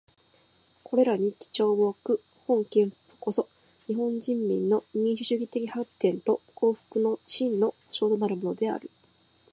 これらに基調をおく本憲法こそ、日本人民の民主主義的発展と幸福の真の保障となるものである。